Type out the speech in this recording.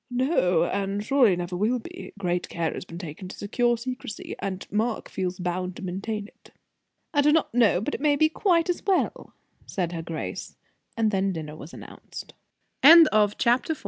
"No; and surely never will be. Great care has been taken to secure secrecy, and Mark feels bound to maintain it." "I do not know but it may be quite as well," said her grace; and then dinner was announced. CHAPTER V. "I